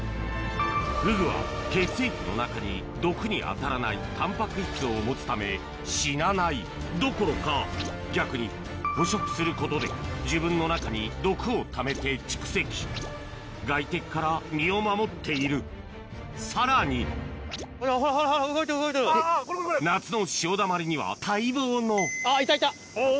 フグは血液の中に毒にあたらないタンパク質を持つため死なないどころか逆に捕食することで外敵から身を守っているさらに夏の潮だまりには待望のあっいたいた！